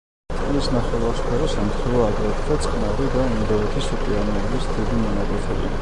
წყლის ნახევარსფეროს ემთხვევა აგრეთვე წყნარი და ინდოეთის ოკეანეების დიდი მონაკვეთები.